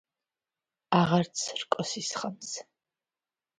აღარც რკოს ისხამს